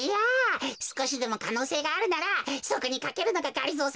すこしでもかのうせいがあるならそこにかけるのががりぞー